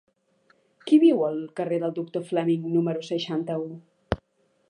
Qui viu al carrer del Doctor Fleming número seixanta-u?